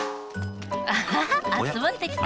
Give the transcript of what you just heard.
アハハあつまってきた！